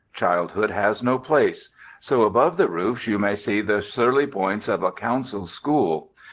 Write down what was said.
Childhood has no place; so above the roofs you may see the surly points of a Council School.